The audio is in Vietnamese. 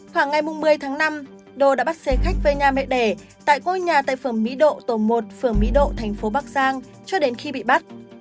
khoảng ngày một mươi tháng năm đô đã bắt xe khách về nhà mẹ đẻ tại ngôi nhà tại phẩm mỹ độ tổ một phường mỹ độ thành phố bắc giang cho đến khi bị bắt